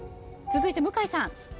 続いて向井さん。